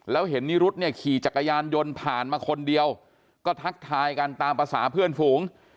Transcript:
แล้วเห็นนิรุธเนี่ยขี่จักรยานยนต์ผ่านมาคนเดียวก็ทักทายกันตามภาษาเพื่อนฝูง